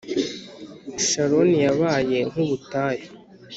Sharoni yabaye nk ubutayu